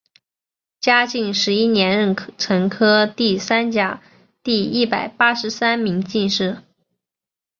嘉靖十一年壬辰科第三甲第一百八十三名进士。